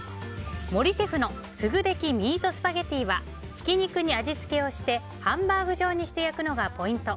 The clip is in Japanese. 森シェフのすぐできミートスパゲティはひき肉に味付けをしてハンバーグ状にして焼くのがポイント。